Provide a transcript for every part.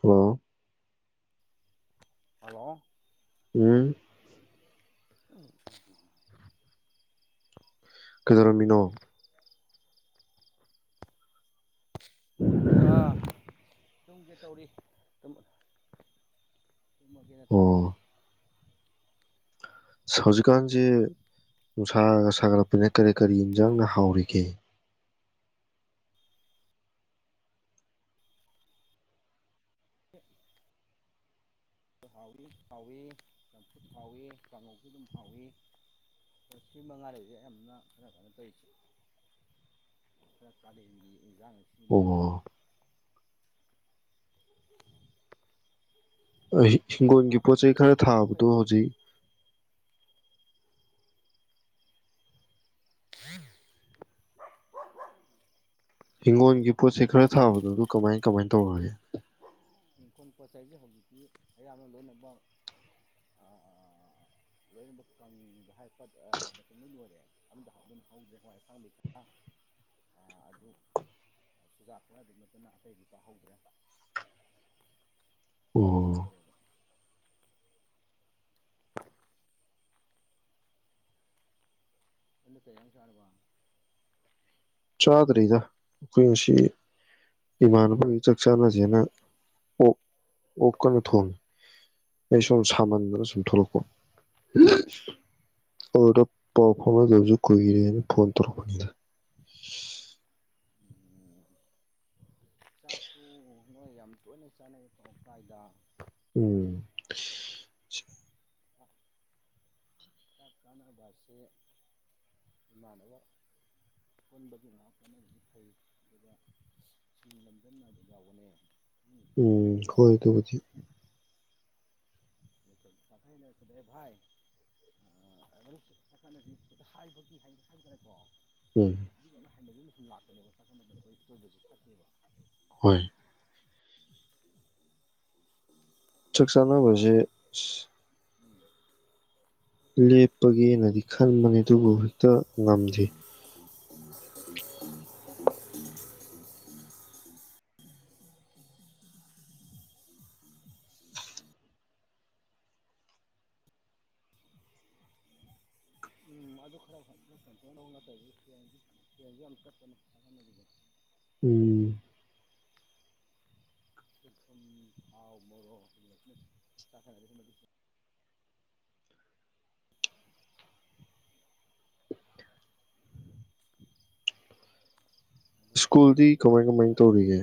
hello hello ꯎꯝ ꯎ ꯀꯩꯗꯧꯔꯝꯃꯤꯅꯣ ꯇꯨꯃꯒꯦ ꯇꯧꯔꯤ ꯇꯨꯝꯃꯒꯦꯅ ꯇꯧꯔꯤ ꯑꯣ ꯍꯧꯖꯤꯛꯀꯥꯟꯁꯦ ꯅꯨꯡꯁꯥꯒ ꯁꯥꯒꯠꯂꯛꯄꯅ ꯀꯔꯤ ꯀꯔꯤ ꯌꯦꯟꯁꯥꯡꯅ ꯍꯥꯎꯔꯤꯒꯦ ꯎ ꯍꯥꯎꯏ ꯍꯥꯎꯏ ꯆꯝꯐꯨꯠ ꯍꯥꯎꯏꯤ ꯀꯥꯡꯉꯧꯁꯨ ꯑꯗꯨꯝ ꯍꯥꯎꯏ ꯁꯤ ꯃꯉꯥ ꯂꯩꯁꯦ ꯌꯥꯝꯅ ꯈꯔ ꯀꯩꯅꯣ ꯇꯧꯔꯤ ꯈꯔ ꯀꯥꯂꯦꯟ ꯒꯤ ꯌꯦꯛꯏ ꯖ ꯁꯤꯃ ꯑꯣ ꯑꯗꯨ ꯍꯤꯡꯒꯣꯜꯒꯤ ꯉꯥ ꯄꯣꯠ ꯊꯣꯡꯕꯁꯨ ꯆꯩꯩ ꯑꯗꯨꯝ ꯈꯔ ꯍꯥꯎꯋꯤ ꯑꯩꯈꯣꯏ ꯊꯥꯕꯗꯣ ꯑꯁꯤ ꯍꯧꯖꯤꯛ ꯎꯝ ꯍꯤꯡꯒꯣꯜꯒꯤ ꯄꯣꯠꯆꯩ ꯈꯔ ꯊꯥꯕꯗꯣ ꯑꯗꯨ ꯀꯃꯥꯏ ꯀꯃꯥꯏ ꯇꯧꯔꯒꯦ ꯏꯁꯩꯁꯦ ꯍꯧꯖꯤꯛꯇꯤ ꯑꯌꯥꯝꯅ ꯂꯣꯏꯅꯃꯛ ꯂꯣꯏꯅꯃꯛ ꯀꯪꯅꯤꯡꯕ ꯍꯥꯏ ꯄꯠ ꯃꯇꯨꯡ ꯂꯣꯏ ꯂꯣꯏꯔꯦ ꯑꯝꯗ ꯍꯧꯗ꯭ꯔꯦ ꯍꯋꯥꯏ ꯑꯛꯁꯥꯡ ꯂꯩ ꯈ ꯑꯗꯨ ꯆꯨꯖꯥꯛ ꯈꯔ ꯑꯗꯨꯝ ꯅꯠꯇꯅ ꯑꯇꯩꯗꯤ ꯄꯥꯍꯧꯗ꯭ꯔꯦ ꯑꯣ ꯍꯅ ꯀꯌꯥ ꯆꯔꯄꯥ ꯆꯥꯗ꯭ꯔꯤꯗ ꯑꯩꯈꯣꯏ ꯉꯁꯤ ꯏꯃꯥꯟꯅꯕꯒꯤ ꯆꯥꯛ ꯆꯥꯟꯅꯁꯦꯅ ꯑꯣ ꯑꯣꯛꯀꯅ ꯊꯣꯡꯉꯤ ꯑꯩ ꯁꯨꯝ ꯁꯥꯃꯟꯗꯅ ꯁꯨꯝ ꯊꯣꯛꯂꯛꯄ ꯑꯗꯨꯗ ꯄꯥꯎ ꯐꯥꯎꯅꯗꯕꯁꯨ ꯀꯨꯏꯔꯦꯅ ꯐꯣꯟ ꯇꯧꯔꯛꯄꯅꯤꯗ ꯆꯥꯛꯇꯨ ꯅꯣꯏ ꯌꯥꯝ ꯇꯣꯏꯅ ꯆꯥꯅꯩ ꯄꯧꯗꯥꯥꯏꯗ ꯎꯝ ꯍꯤꯗꯥꯛ ꯀꯥꯟꯅꯕꯁꯦ ꯏꯃꯥꯟꯅꯕ ꯄꯨꯟꯕꯒꯤ ꯉꯥꯏꯍꯥꯛ ꯄꯨꯅꯕꯗꯤ ꯐꯩ ꯑꯗꯨꯒ ꯏꯁꯤꯡ ꯂꯝꯗꯕ ꯌꯥꯎꯕꯅꯦ ꯃꯤ ꯎꯝ ꯈꯪꯗꯕ ꯍꯣꯏ ꯌꯥꯎꯕꯅꯦ ꯇ ꯍꯧꯗꯤ ꯦ ꯚꯥꯏꯣ ꯎꯝ ꯂꯥꯛꯄꯅꯦꯕ ꯆꯥꯛꯀꯟꯕꯗꯣꯏꯣꯏꯗꯁꯨ ꯐꯠꯇꯦꯕ ꯍꯣꯏ ꯆꯛꯁꯥꯅ ꯑꯗꯨꯒ ꯍꯧꯁꯦ ꯂꯩꯞ ꯀꯄꯒꯦꯅꯗꯤ ꯈꯟꯕꯅꯦ ꯑꯗꯨꯕꯨ ꯍꯦꯛꯇ ꯉꯝꯗꯦ ꯎꯝ ꯑꯗꯨ ꯈꯔ ꯎꯝ ꯊꯥꯎ ꯃ ꯑꯗꯨ ꯁ꯭ꯀꯨꯜꯗꯤ ꯆꯥꯛ ꯀꯃꯥꯏ ꯀꯃꯥꯏ ꯆꯥꯅꯕ ꯇꯧꯔꯤꯒꯦ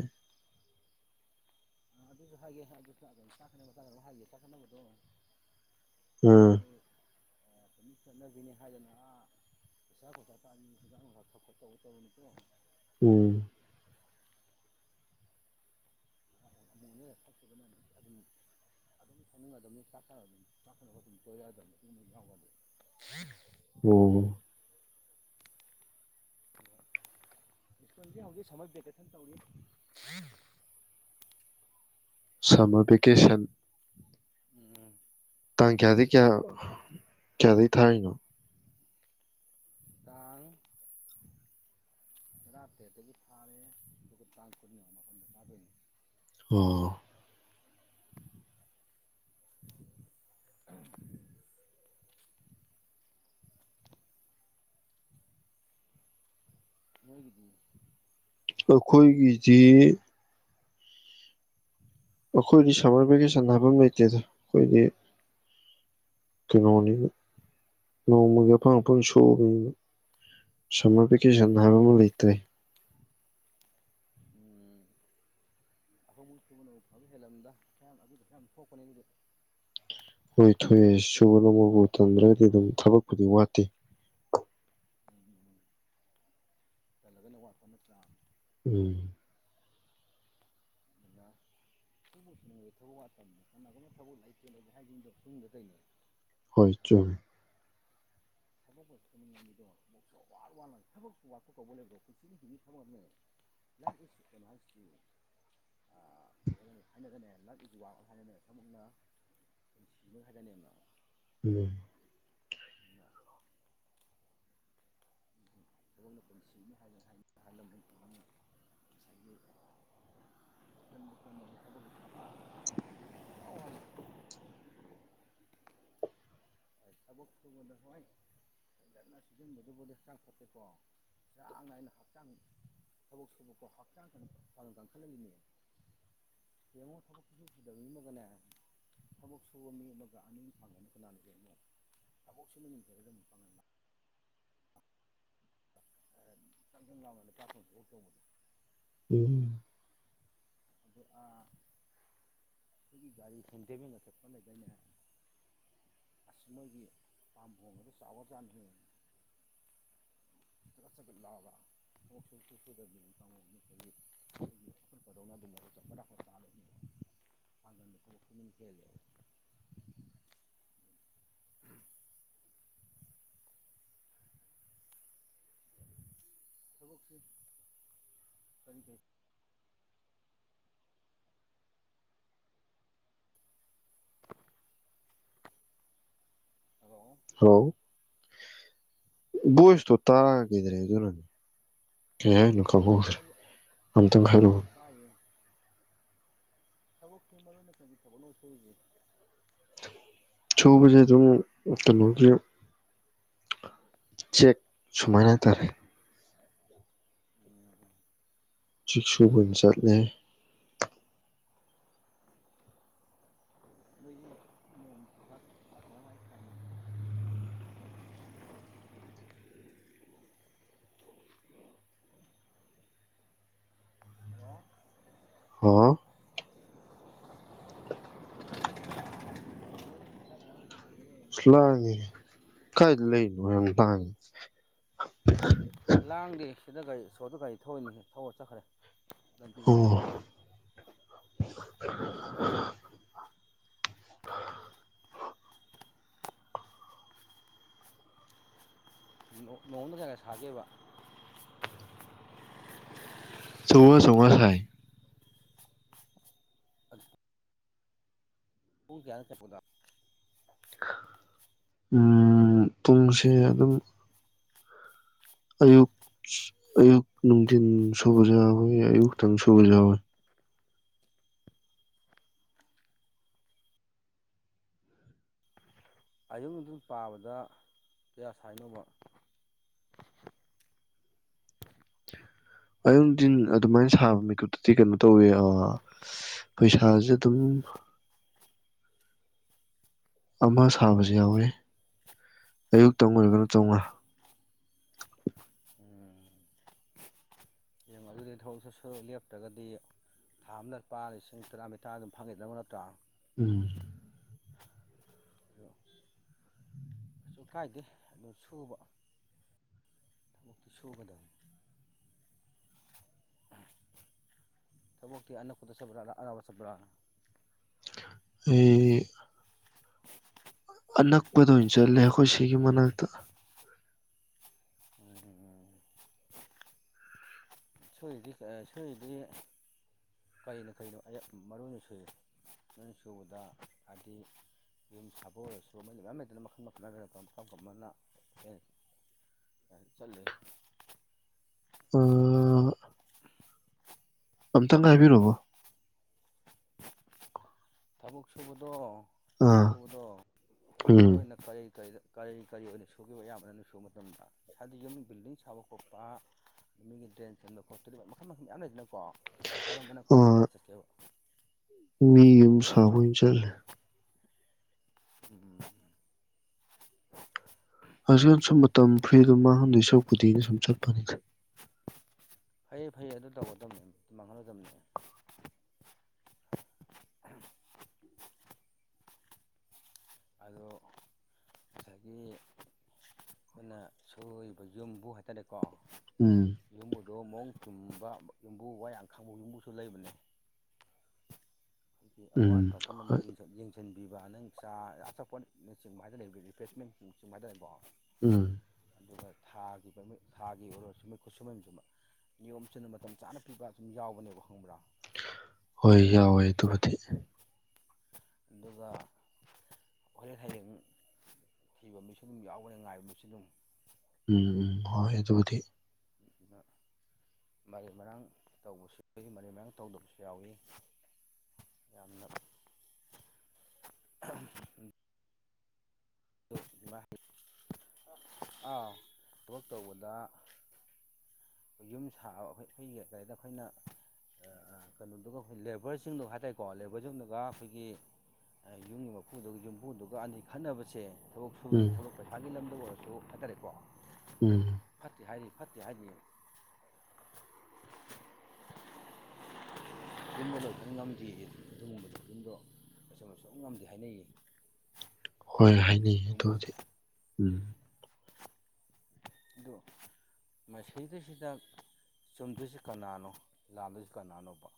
ꯑꯗꯨ ꯁꯁꯥꯏꯦ ꯑꯗꯨ ꯁꯂ ꯆ ꯆ ꯂꯧꯍꯥꯏꯒꯤ ꯆ ꯈꯅꯅꯕꯗꯣ ꯑꯝ ꯑꯗꯨꯃꯤ ꯆꯠꯅꯈꯤꯅꯤ ꯍꯥꯏꯗꯅ ꯄꯩꯁꯥ ꯄꯩꯁꯥ ꯇꯥꯅꯤ ꯍꯖꯥꯡꯥ ꯊꯄ ꯇꯧꯕ ꯇꯧꯔꯨꯅꯨꯀꯣ ꯎꯝ ꯑꯃꯨꯛꯛꯈꯤꯗꯅ ꯑꯗꯨꯝ ꯑꯗꯨꯝ ꯁꯛꯅꯤꯡꯒꯗꯕꯅꯤ ꯆꯥꯛ ꯑꯗꯨꯝ ꯆꯥꯛ ꯑꯗꯨꯝꯣꯏꯔꯛꯑꯗꯕꯅꯤ ꯑꯗꯨ ꯌꯥꯎꯒꯗꯤ ꯑꯣ ꯁ꯭ꯀꯨꯜꯁꯦ ꯍꯧꯖꯤꯛ ꯁꯝꯃꯔ ꯚꯦꯀꯦꯁꯟ ꯇꯧꯔꯤ ꯁꯃꯔ ꯦꯀꯦꯁꯟ ꯇ ꯀꯌꯥꯗ ꯀꯌꯥ ꯆꯗꯩ ꯊꯥꯔꯤꯅꯣ ꯇꯥꯡ ꯀꯔꯇ ꯑꯗꯨꯕꯨ ꯊꯥꯔꯦ ꯑꯗꯨ ꯇꯥꯡ ꯄꯅꯤꯗꯅꯤ ꯑ ꯂꯩꯣꯏ ꯀ ꯑꯩꯈꯣꯏꯒꯤꯁꯤ ꯑꯩꯈꯣꯏꯗꯤ ꯁꯝꯃꯔ ꯚꯦꯀꯦꯁꯟ ꯍꯥꯏꯕ ꯑꯃ ꯂꯩꯇꯦꯗ ꯑꯩꯈꯣꯏꯗꯤ ꯀꯩꯅꯣꯅꯤꯅ ꯅꯣꯡꯃꯒꯤ ꯑꯐꯪ ꯑꯐꯪ ꯁꯣꯛꯑꯕꯅꯤꯅ ꯁꯝꯃꯔ ꯚꯦꯀꯦꯁꯟ ꯍꯥꯏꯕ ꯑꯃ ꯂꯩꯇ꯭ꯔꯦ ꯑꯩꯐ ꯃ ꯁꯕꯅꯐꯥꯁꯨ ꯍꯦꯜꯂꯝꯗꯥꯗ ꯐꯣꯈꯣꯟꯅꯦꯒꯗꯦ ꯍꯣꯏ ꯊꯣꯛꯣꯏꯑꯦ ꯁꯨꯕ ꯅꯣꯝꯕꯕꯨ ꯇꯝꯗ꯭ꯔꯒꯗꯤ ꯑꯗꯨꯝ ꯊꯕꯛꯄꯨꯗꯤ ꯋꯥꯠꯇꯦ ꯇꯂꯒꯅ ꯋꯥꯄꯅꯠꯇ ꯎꯝ ꯑꯗꯨ ꯁꯤꯕ ꯊꯕꯛ ꯋꯥꯗ ꯀꯅꯒꯅ ꯊꯕꯛ ꯂꯩꯇꯦꯅꯗꯤ ꯍꯥꯏꯖꯅꯤꯡꯗꯕ ꯁꯨꯝꯗ ꯇꯅꯦ ꯍꯣꯏ ꯆꯣꯏ ꯊꯕꯛꯗꯣ ꯊꯕ ꯋꯥꯠꯄ ꯀꯧꯕ ꯂꯩꯕꯣ ꯄꯨꯟꯁꯤꯅ ꯍꯤꯡꯉꯤ ꯊꯕ ꯂ ꯏꯁ ꯀꯩꯅꯣ ꯍꯥꯏꯁꯤ ꯍꯥꯏ ꯍꯥꯏꯅꯒꯅꯦ ꯂ ꯏꯁ ꯋꯥꯠ ꯍꯥꯏꯅꯅꯦ ꯊꯅ ꯍꯥꯏꯒꯅꯦꯅ ꯎꯝ ꯑ [unintelligible] ꯊꯕꯛ ꯁꯨꯕꯗ ꯍꯣꯏ ꯐꯖꯟꯅ ꯁꯤꯖꯤꯟꯅꯕꯗꯨꯕꯨꯗꯤ ꯍꯛꯆꯥꯡ ꯐꯠꯇꯦꯀꯣ ꯆ ꯆꯥꯡ ꯅꯥꯏꯅ ꯍꯛꯆꯥꯡ ꯊꯕꯛ ꯁꯨꯕꯀꯣ ꯍꯛꯆꯥꯡ ꯀ ꯐ ꯀꯟꯈꯠꯂꯏꯅꯦ ꯌꯦꯡꯉꯣ ꯊꯕꯛꯁꯨ ꯁꯨꯗꯕ ꯃꯤ ꯑꯃꯒꯅꯦ ꯊꯕꯛ ꯁꯨꯕ ꯃꯤ ꯑꯃꯒ ꯑꯅꯤ ꯐꯪꯒꯅ ꯀꯅꯥꯅ ꯌꯦꯡꯉꯣ ꯁꯄꯣꯁꯃꯤ ꯄꯔꯗ ꯃ ꯄꯉ ꯇ ꯉ ꯃꯗ ꯇꯥꯁꯨ ꯍꯕꯨꯅꯤ ꯎꯝ ꯑꯗꯨꯒ ꯑꯩꯈꯣꯏꯒꯤ ꯒꯥꯔꯤ ꯍꯦꯟꯊꯦꯝꯃꯤꯟꯒ ꯆꯠꯄ ꯂꯩꯗꯅꯦ ꯑꯁ ꯃꯣꯏꯒꯤ ꯄꯥꯝꯍꯣꯡꯕꯗ ꯆꯥꯎꯔꯀꯥꯟ ꯍꯉꯠꯠ ꯂꯥꯎꯒ ꯆ ꯆ ꯑꯗ ꯈꯦ ꯊꯕꯛꯁꯤ ꯀꯔꯤ ꯀ ꯍꯂꯣ ꯍꯥꯎ ꯕꯣꯏꯁꯇꯣ ꯇꯥꯔꯥꯒꯤꯗ꯭ꯔꯦ ꯑꯗꯨꯅꯅꯦ ꯀ ꯍꯥꯏꯅꯣ ꯀꯕꯨꯈ ꯑꯩ ꯃꯇꯈꯅꯣ ꯊꯕꯛꯀꯤ ꯃꯔ ꯅꯠꯇꯪꯒꯤ ꯊꯕꯛ ꯂꯣ ꯁꯣꯏꯁꯦ ꯁꯨꯕꯁꯦ ꯑꯗꯨꯝ ꯀꯩꯅꯣꯒꯤ ꯆꯦꯛ ꯁꯨꯃꯥꯏꯅ ꯍꯥꯏꯇꯥꯔꯦ ꯎꯝ ꯆꯤꯁꯨꯨꯒꯟ ꯆꯠꯂꯦ ꯅꯣꯏꯒꯤ ꯅꯣꯡ ꯀꯃꯥꯏ ꯀꯪꯉꯤꯒꯦ ꯍꯜꯂꯣ ꯍꯥꯎ ꯂ ꯀꯥꯏ ꯂꯩ ꯂ ꯊ ꯂꯥꯡꯒꯦ ꯁꯤꯗ ꯒꯥꯔꯤ ꯁꯣꯗ ꯒꯥꯔꯤ ꯊꯧꯏꯅꯤ ꯊꯧꯔ ꯆꯠꯈ꯭ꯔꯦ ꯑꯗꯨꯕꯤ ꯑꯣ [unintelligible] ꯅꯣꯡꯃꯗ ꯀꯒ ꯁꯥꯒꯦꯕ ꯆꯣꯡꯉ ꯆꯣꯡꯉ ꯁꯥꯏ ꯍꯨꯡ ꯀꯌꯥꯔ ꯀꯄꯗꯥ ꯎꯝ ꯄꯨꯡꯁꯦ ꯑꯗꯨꯝ ꯑꯌꯨꯛ ꯑꯌꯨꯛ ꯅꯨꯡꯊꯤꯤꯟ ꯁꯨꯕꯁꯨ ꯌꯥꯎꯋꯦ ꯑꯌꯨꯛꯇꯪ ꯁꯨꯕ ꯌꯥꯎꯋꯤ ꯑꯌꯨꯛ ꯑꯅꯨꯡ ꯑꯗꯨꯟ ꯄꯥꯕꯗ ꯀꯌꯥ ꯁꯥꯏꯅꯧꯕ ꯑꯌꯗꯤꯟ ꯑꯗꯨꯃꯥꯏꯅ ꯁꯥꯕ ꯃꯤꯀꯨꯞꯇꯗꯤ ꯀꯩꯅꯣ ꯇꯧꯋꯦ ꯄꯩꯁꯥꯁꯦ ꯑꯗꯨꯝ ꯑꯃ ꯁꯥꯕꯁꯨ ꯌꯥꯎꯋꯤ ꯑꯌꯨꯛꯇꯪ ꯑꯣꯏꯔꯒꯅ ꯆꯥꯝꯃꯉꯥ ꯑꯗꯨ ꯊꯕꯣꯛꯁꯨ ꯁ ꯂꯦꯞꯇ꯭ꯔꯒꯗꯤ ꯊꯥ ꯑꯃꯗ ꯂꯨꯄꯥ ꯂꯤꯁꯤꯡ ꯇꯔꯥꯃꯊꯥ ꯑꯗꯨꯝ ꯐꯪꯒꯗꯅꯕ ꯅꯠꯇ꯭ꯔꯥ ꯎꯝ ꯑꯗꯣ ꯀꯩꯁꯨ ꯀꯥꯏꯗꯦ ꯑꯗꯨ ꯁꯨꯕ ꯊꯕꯛꯇꯤ ꯁꯨꯒꯗꯕꯅꯤ ꯊꯕꯣꯛꯇ ꯑꯅꯗꯄ ꯑ ꯆꯄꯔ ꯑ ꯑꯅꯛꯄꯗ ꯑꯣꯏꯅ ꯆꯠꯂꯦ ꯑꯩꯈꯣꯏ ꯁꯤꯒꯤ ꯃꯅꯥꯛꯇ ꯎꯝ ꯎꯝ ꯁꯣꯏꯔꯤꯗꯤ ꯁꯣꯏꯔꯤꯗꯤ ꯀꯔꯤꯅꯣ ꯀꯔꯤꯅꯣ ꯃꯔꯨ ꯑꯣꯏꯅ ꯁꯨꯔꯤꯦ ꯃꯔꯣꯏꯅ ꯁꯨꯕꯗ ꯍꯥꯏꯗꯤ ꯌꯨꯝ ꯁꯥꯕ ꯑꯣꯏꯔꯁꯨ ꯃ ꯃꯌꯥꯝ ꯂꯩꯗꯅ ꯃꯈꯜ ꯃꯈꯜꯅꯔ ꯃ ꯀꯅ ꯆꯠꯂꯤ ꯑ ꯑꯝꯇꯪꯒ ꯍꯥꯏꯕꯤꯔꯕ ꯇꯥꯕꯛ ꯁꯕꯗꯣ ꯆꯦꯛ ꯑꯥ ꯁꯨꯕꯗꯣ ꯎꯝ ꯃꯔꯨ ꯑꯣꯏꯅ ꯀꯔꯤ ꯀꯔꯤꯗ ꯀꯔꯤ ꯀꯔꯤ ꯑꯣꯏꯅ ꯁꯨꯈꯤꯕ ꯑꯌꯥꯝꯕꯅꯅ ꯁꯨꯕ ꯃꯇꯝꯗ ꯏꯁꯥꯗ ꯌꯨꯝ ꯕꯤꯜꯗꯤꯡ ꯁꯥꯕ ꯈꯣꯠꯄ ꯌꯃꯤꯒꯤ ꯗ꯭ꯔꯦꯟ ꯆꯟꯕ ꯈꯣꯀꯔꯤꯕ ꯃꯈꯜ ꯃꯈꯟ ꯃꯌꯥꯝ ꯂꯩꯗꯅꯀꯣ ꯀꯔꯝꯕꯅ ꯈ꯭ꯋꯥꯏꯗꯒꯤ ꯑꯥ ꯍꯦꯟꯅ ꯆꯠꯀꯦꯕ ꯃꯤ ꯌ ꯁꯥꯕꯣꯏ ꯆꯂꯦ ꯎꯝ ꯍꯧꯖꯤꯛ ꯁꯨꯝ ꯃꯇꯝ ꯐ꯭ꯔꯤꯗ ꯃꯉꯣꯟꯗ ꯏꯁꯄꯨꯗꯤꯅ ꯁꯨꯝ ꯆꯠꯄꯅꯤ ꯐꯩꯌꯦ ꯐꯩꯌꯦ ꯑꯗꯨ ꯇꯧꯒꯗꯕꯅꯦ ꯃꯇꯝ ꯃꯥꯡꯍꯜꯂꯣꯢꯗꯕꯅꯦ [unintelligible] ꯑꯗꯣ ꯉꯁꯥꯏꯒꯤ ꯑꯩꯈꯣꯏꯅ ꯁꯣꯏꯔꯤꯕ ꯌꯨꯝꯕꯨ ꯍꯥꯏꯇꯥꯔꯦꯀꯣ ꯎꯝ ꯌꯨꯝꯕꯨꯗꯣ ꯃꯑꯣꯡ ꯆꯨꯝꯕ ꯌꯨꯝꯕꯨ ꯋꯥ ꯌꯥ ꯈꯪꯕ ꯌꯨꯝꯕꯨꯁꯨ ꯂꯩꯕꯅꯦ ꯑꯩꯈꯣꯏꯒꯤ ꯑꯋꯥꯠ ꯎꯝ ꯑꯄ ꯄꯨꯝꯅꯥꯃꯛ ꯍꯣꯏ ꯌꯦꯡꯁꯟ ꯌꯦꯡꯁꯟꯕ ꯁꯤꯟꯕꯤꯕ ꯅꯪ ꯆꯥ ꯑꯆꯥꯄꯣꯠ ꯅ ꯆꯤꯡꯕ ꯍꯥꯏꯗꯅ ꯂꯩꯕ ꯔꯤꯐ꯭ꯔꯦꯁꯃꯦꯟ ꯆꯤꯡꯕ ꯍꯥꯢꯇꯔꯦꯀꯣ ꯎꯝ ꯑꯗꯨꯒ ꯊꯥꯒꯤ ꯊꯥꯒꯤ ꯑꯣꯏꯔꯣꯁꯨ ꯈꯨꯠꯁꯨꯃꯟꯁꯨ ꯅꯤꯌꯣꯝ ꯆꯨꯝꯅ ꯃꯇꯝ ꯆꯥꯅ ꯄꯤꯕ ꯁꯨꯝ ꯌꯥꯎꯕꯅꯦꯕ ꯈꯪꯕ꯭ꯔꯥ ꯍꯣꯏ ꯌꯥꯎꯋꯦ ꯑꯗꯨꯕꯨꯗꯤ ꯑꯗꯨꯒ ꯍꯣꯔꯦꯟ ꯍꯩꯌꯦꯡ ꯊꯤꯕ ꯃꯤꯁꯨ ꯑꯗꯨꯝ ꯌꯥꯎꯒꯅꯤ ꯉꯥꯏꯕ ꯃꯤꯁꯨ ꯑꯗꯨꯝ ꯎꯝ ꯎꯝ ꯍꯣꯏ ꯑꯗꯨꯕꯨꯗꯤ ꯃꯔꯩ ꯃꯔꯥꯡ ꯇꯧꯕꯁꯨ ꯃꯔꯩ ꯃꯔꯥꯡ ꯇꯧꯗꯕꯁꯨ ꯌꯥꯎꯢ ꯌꯥꯝꯅ ꯑꯥ ꯊꯕꯛ ꯇꯧꯕꯗ ꯑꯩꯈꯣꯏ ꯌꯨꯝ ꯁꯥꯕ ꯑꯩꯈ ꯑꯩꯈꯣꯏꯒꯤ ꯀꯔꯤꯗ ꯑꯩꯈꯣꯏꯅ ꯀꯩꯅꯣꯗꯨꯒ ꯑꯩꯈꯣꯏ ꯂꯦꯕꯔꯁꯤꯡꯗꯨ ꯍꯥꯏ ꯇꯔꯦꯀꯣ ꯂꯦꯕꯔꯁꯤꯡꯗꯨꯒ ꯑꯩꯈꯣꯏꯒꯤ ꯌꯨꯝꯒꯤ ꯃꯄꯨꯗꯨꯒ ꯌꯨꯝꯕꯨꯗꯨꯒ ꯑꯅꯤ ꯈꯠꯅꯕꯁꯦ ꯊꯕꯛ ꯁꯨꯕꯒꯤ ꯎꯝ ꯊꯕꯛ ꯄꯩꯁꯥꯒꯤ ꯂꯝꯗ ꯑꯣꯏꯔꯁꯨ ꯍꯥꯏꯇꯔꯦꯀꯣ ꯎꯝ ꯐꯠꯇꯦ ꯍꯥꯏꯔꯤ ꯐꯠꯇꯦ ꯍꯥꯏꯅꯤ ꯌꯨꯝꯕꯗꯁꯨ ꯉꯝꯗꯦ ꯑꯗꯨꯒꯨꯝꯕꯗꯨ ꯌꯨꯝꯗꯣ ꯂꯣꯢꯁꯟꯕ ꯁꯨꯛꯉꯝ ꯉꯝꯗꯦ ꯍꯥꯏꯅꯩꯌꯦ ꯍꯣꯏ ꯍꯥꯏꯅꯩ ꯑꯗꯨꯒꯨꯝꯕꯁꯦ ꯑꯗꯨꯕꯨꯗꯤ ꯎꯝ ꯑꯗꯨ ꯃꯁꯤꯗꯩꯁꯤꯗ ꯆꯨꯝꯗꯣꯏꯁꯤ ꯀꯅꯥꯅꯣ ꯂꯥꯟꯗꯣꯏꯁꯤ ꯀꯅꯥꯅꯣꯕ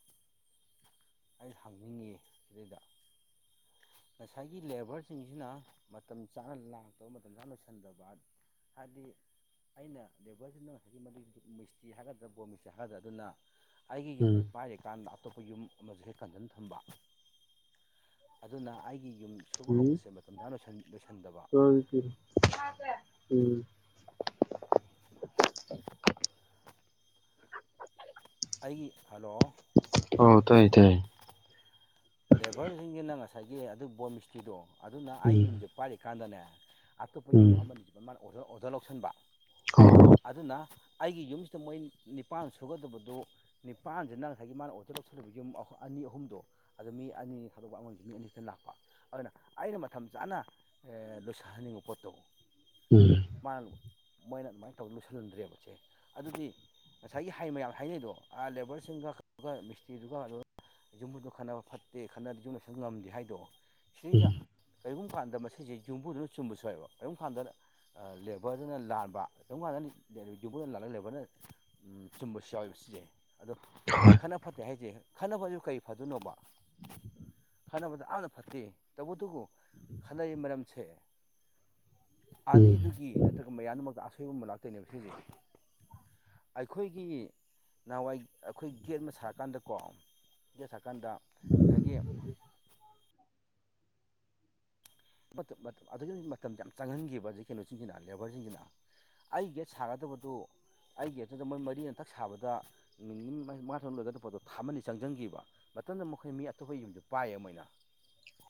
ꯑꯩꯅ ꯍꯪꯅꯤꯡꯉꯤ ꯁꯤꯗꯩꯗ ꯉꯁꯥꯏꯒꯤ ꯂꯦꯕꯔꯁꯤꯡꯁꯤꯅ ꯃꯇꯝ ꯆꯥꯅ ꯂꯥꯛꯇꯕ ꯃꯇꯝ ꯆꯥꯅ ꯂꯣꯏꯁꯤꯟꯗꯕ ꯍꯥꯏꯕꯗꯤ ꯑꯩꯅ ꯂꯦꯕꯔꯁꯤꯅ ꯉꯁꯥꯏꯒꯤ ꯃꯗꯨ ꯃꯤꯁꯇ꯭ꯔꯤ ꯍꯥꯏꯒꯗ꯭ꯔꯥ ꯕꯣꯔ ꯃꯤꯁꯇ꯭ꯔꯤ ꯍꯥꯏꯒꯗ꯭ꯔꯥ ꯑꯗꯨꯅ ꯑꯩꯒꯤ ꯌꯨꯝꯁꯦ ꯎꯝ ꯄꯥꯏꯔꯤꯀꯥꯟꯗ ꯑꯇꯣꯞꯄ ꯌꯨꯝ ꯑꯃꯁꯨ ꯍꯦꯛ ꯀꯟꯖꯟ ꯊꯝꯕ ꯑꯗꯨꯅ ꯑꯩꯒꯤ ꯌꯨꯝ ꯁꯨꯕ ꯍꯧꯕꯁꯦ ꯃꯇꯝ ꯆꯥꯅ ꯂꯣꯢꯁꯟ ꯆꯥꯔꯁꯤ ꯊꯤꯔꯣ ꯆꯥꯔꯁꯦ ꯎꯝ ꯑꯩꯒꯤ ꯍꯜꯂꯣ ꯑꯣ ꯇꯥꯏ ꯇꯥꯏ ꯂꯦꯕꯔꯁꯤꯡꯁꯤꯅ ꯉꯁꯥꯏꯒꯤ ꯑꯗꯨ ꯕꯣꯔ ꯃꯤꯁꯇ꯭ꯔꯤꯗꯣ ꯑꯗꯨꯅ ꯑꯩ ꯎꯝ ꯌꯨꯝꯁꯦ ꯄꯥꯏꯔꯤꯀꯥꯟꯗꯅꯦ ꯑꯇꯣꯞꯄ ꯎꯝ ꯌꯨꯝ ꯑꯃꯅꯤ [unintelligible] ꯃꯥꯅ ꯑꯣꯔꯗꯔ ꯑꯣꯔꯗꯔ ꯂꯧꯁꯟꯕ ꯑꯧ ꯑꯗꯨꯅ ꯑꯩꯒꯤ ꯌꯨꯝꯁꯤꯗ ꯃꯣꯏ ꯅꯤꯄꯥꯟ ꯁꯨꯒꯗꯕꯗꯨ ꯅꯤꯄꯥꯟꯁꯤꯅ ꯉꯁꯥꯏꯒꯤ ꯃꯥꯅ ꯑꯣꯗꯔ ꯂꯧꯁꯤꯜꯂꯤꯕ ꯌꯨꯝ ꯑꯅꯤ ꯑꯍꯨꯝꯗꯣ ꯑꯗꯨꯗ ꯃꯤ ꯑꯅꯤ ꯊꯥꯗꯣꯛꯄ ꯑꯃꯒꯤꯁꯤ ꯃꯤ ꯑꯅꯤ ꯈꯛꯇ ꯂꯥꯛꯄ ꯑꯗꯨꯅ ꯑꯩꯅ ꯃꯇꯝ ꯆꯥꯅ ꯂꯣꯏꯁꯤꯜꯍꯟꯅꯤꯡꯕ ꯄꯣꯠꯇꯣ ꯎꯝ ꯃꯥꯅ ꯃꯣꯏꯅ ꯑꯗꯨꯃꯥꯏꯅ ꯇꯧ ꯂꯣꯏꯁꯤꯜꯍꯟꯗ꯭ꯔꯦꯕꯁꯦ ꯑꯗꯨꯗꯤ ꯉꯁꯥꯏꯒꯤ ꯍꯥꯏ ꯃꯌꯥꯝ ꯍꯥꯏꯅꯩꯗꯣ ꯂꯦꯕꯔꯁꯤꯡꯒ ꯃꯤꯁꯇ꯭ꯔꯤꯗꯨꯒ ꯑꯗꯨꯒ ꯌꯨꯝꯕꯨꯗꯨ ꯈꯟꯅꯕ ꯐꯠꯇꯦ ꯈꯠꯅꯗꯤ ꯌꯨꯝ ꯂꯣꯢꯁꯟꯕ ꯉꯝꯗꯦ ꯍꯥꯏꯗꯣ ꯎꯝ ꯁꯨꯅꯤꯇ ꯀꯔꯤꯒꯨꯝꯕ ꯀꯥꯟꯗ ꯃꯁꯤꯁꯦ ꯌꯨꯝꯕꯨꯗꯨꯅ ꯆꯨꯝꯕꯁꯨ ꯌꯥꯎꯋꯦꯕ ꯀꯔꯤꯒꯨꯝꯕ ꯀꯥꯟꯗ ꯂꯦꯕꯔꯗꯨꯅ ꯂꯥꯟꯕ ꯀꯔꯤꯒꯨꯝꯕ ꯀꯥꯟꯗ ꯌꯨꯝꯕꯨꯗ ꯂꯥꯜꯂꯒ ꯂꯦꯕꯔꯗꯅ ꯆꯨꯝꯕꯁꯨ ꯌꯥꯎꯋꯦꯕ ꯁꯤꯁꯦ ꯑꯗꯣ ꯍꯣꯏ ꯈꯠꯅ ꯐꯠꯇ ꯑꯩ ꯍꯥꯏꯁꯦ ꯈꯠꯅꯕꯗꯨ ꯀꯔꯤ ꯐꯗꯣꯏꯅꯣꯕ ꯈꯠꯅꯕꯗ ꯑꯝꯇ ꯐꯠꯇꯦ ꯇꯧꯕꯇꯕꯨ ꯈꯟꯅꯔꯤꯕ ꯃꯔꯝꯁꯦ ꯎꯝ ꯑꯅꯤꯗꯨꯒꯤ ꯅꯠꯇ꯭ꯔꯒ ꯃꯌꯥꯝꯗꯨꯃꯛꯇ ꯑꯁꯣꯏꯕ ꯑꯃ ꯂꯥꯛꯇꯣꯏꯅꯦꯕ ꯁꯤꯁꯦ ꯑꯩꯈꯣꯏꯒꯤ ꯅꯍꯥꯟꯋꯥꯏ ꯑꯩꯈꯣꯏ ꯒꯦꯠ ꯑꯃ ꯁꯥꯔꯀꯥꯟꯗꯀꯣ ꯒꯦꯠ ꯁꯥꯔꯀꯥꯟꯗ ꯉꯁꯥꯢꯒꯤ ꯑꯗꯨꯒꯤ ꯃꯇꯝꯗ ꯌꯥꯝ ꯆꯪꯍꯟꯈꯤꯕ ꯍꯧꯖꯤꯛ ꯀꯩꯅꯣꯁꯤꯡꯁꯤꯅ ꯂꯦꯕꯔꯁꯤꯡꯁꯤꯅ ꯑꯩ ꯒꯦꯠ ꯁꯥꯒꯗꯕꯗꯨ ꯑꯩ ꯒꯦꯠꯇꯨꯗ ꯃꯣꯏ ꯃꯔꯤ ꯊꯛ ꯁꯥꯕꯗ ꯅꯨꯃꯤꯠ ꯃꯉꯥ ꯇꯔꯨꯛꯅ ꯂꯣꯏꯒꯗꯕ ꯄꯣꯠꯇꯣ ꯊꯤ ꯑꯃ ꯑꯅꯤ ꯆꯪꯁꯟꯈꯤꯕ ꯃꯇꯝꯗ ꯃꯈꯣꯏ ꯃꯤ ꯑꯇꯣꯞꯄ ꯌꯨꯝꯗꯨ ꯄꯥꯏꯌꯦ ꯃꯣꯏꯅ